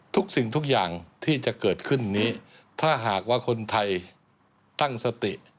ทุกสิ่งทุกอย่างที่จะเกิดขึ้นนี้ถ้าหากว่าคนไทยตั้งสติ